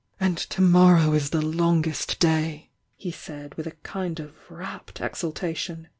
"And to morrow is the longest day!" he said with a kind of rapt exultation.